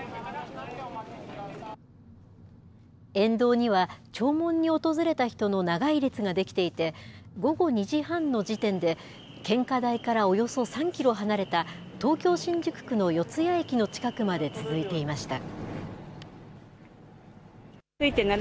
沿道には弔問に訪れた人の長い列が出来ていて、午後２時半の時点で、献花台からおよそ３キロ離れた、東京・新宿区の四ツ谷駅の近くまで続いていました。